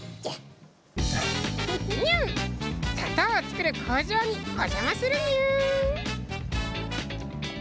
砂糖を作る工場にお邪魔するにゅ。